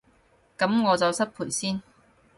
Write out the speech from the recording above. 噉我就失陪先